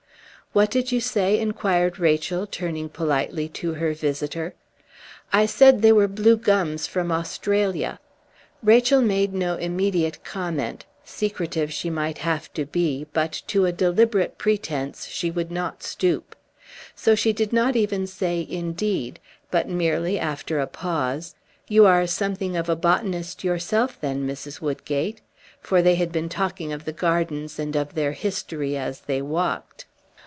"What did you say?" inquired Rachel, turning politely to her visitor. "I said they were blue gums from Australia." Rachel made no immediate comment; secretive she might have to be, but to a deliberate pretence she would not stoop. So she did not even say, "Indeed!" but merely, after a pause, "You are something of a botanist yourself, then, Mrs. Woodgate?" For they had been talking of the gardens and of their history as they walked.